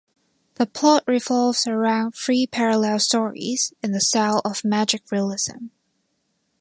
The plot revolves around three parallel stories in the style of magic realism.